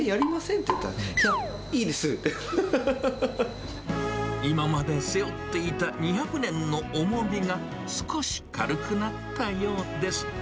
って言ったら、いや、今まで背負っていた２００年の重みが、少し軽くなったようです。